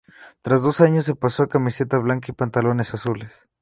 Tras dos años se pasó a camiseta blanca y pantalones azules.